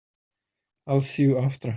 I'll see you after.